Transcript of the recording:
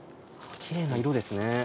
きれいな色ですね。